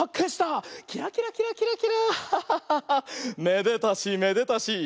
めでたしめでたし。